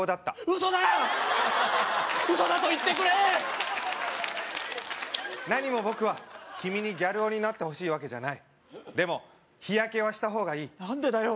ウソだと言ってくれ何も僕は君にギャル男になってほしいわけじゃないでも日焼けはした方がいいなんでだよ